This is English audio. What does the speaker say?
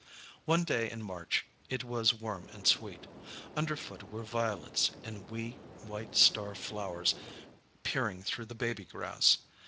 One day in March, it was warm and sweet. Underfoot were violets, and wee white star flowers peering through the baby grass.